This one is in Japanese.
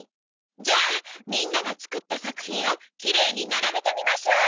じゃあみんなが作った作品をきれいに並べてみましょう。